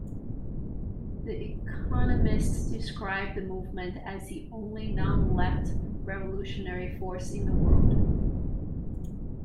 "The Economist" described the movement as "the only non-left revolutionary force in the world".